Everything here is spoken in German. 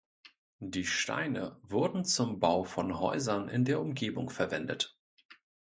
Die Steine wurden zum Bau von Häusern in der Umgebung verwendet.